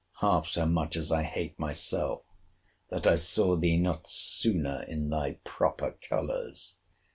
half so much as I hate myself, that I saw thee not sooner in thy proper colours!